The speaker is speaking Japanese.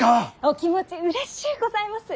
お気持ちうれしゅうございます。